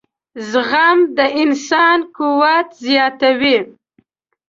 • زغم د انسان قوت زیاتوي.